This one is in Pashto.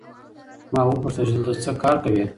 ما وپوښتل چې دلته څه کار کوې؟